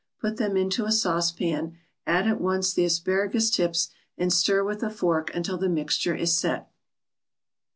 Put them into a saucepan, add at once the asparagus tips and stir with a fork until the mixture is "set."